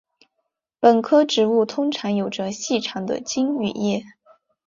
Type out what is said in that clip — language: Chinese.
本科植物通常有着细长的茎与叶。